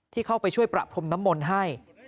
เข้าไปช่วยประพรมน้ำมนต์ให้